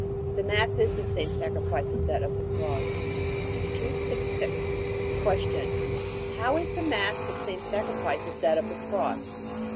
The Mass is the same sacrifice as that of the Cross. 266. Q. How is the Mass the same sacrifice as that of the Cross?